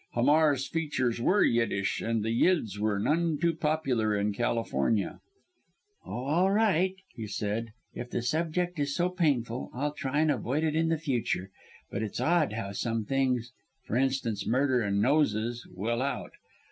Hamar's features were Yiddish, and the Yids were none too popular in California. "Oh, all right!" he said; "if the subject is so painful I'll try and avoid it in future; but it's odd how some things for instance, murder and noses will out.